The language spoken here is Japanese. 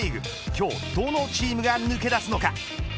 今日、どのチームが抜け出すのか。